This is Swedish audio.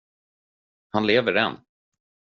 Han lever än.